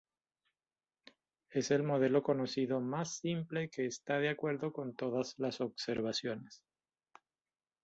Es el modelo conocido más simple que está de acuerdo con todas las observaciones.